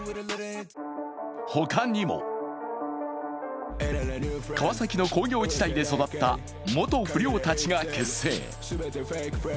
他にも、川崎の工業地帯で育った元不良たちが結成。